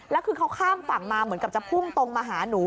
แล้วคือเขาข้ามฝั่งมาเหมือนกับจะพุ่งตรงมาหาหนู